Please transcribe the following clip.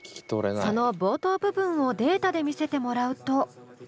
その冒頭部分をデータで見せてもらうと。